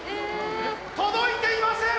届いていません！